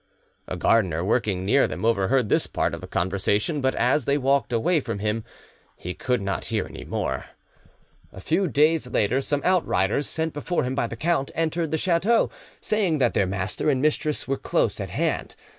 A gardener working near them overheard this part of the conversation, but as they walked away from him he could not hear any more. A few days later, some outriders, sent before him by the count, entered the chateau, saying that their master and mistress were close at hand.